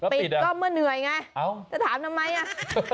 ปิดก็เมื่อเหนื่อยไงจะถามทำไมอ่ะ